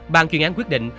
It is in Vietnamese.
bàn chuyên án quyết định